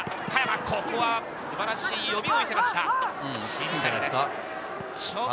ここは素晴らしい読みを見せました新谷です。